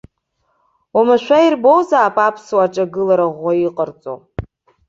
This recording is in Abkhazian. Уамашәа ирбозаап аԥсуаа аҿагылара ӷәӷәа иҟарҵо.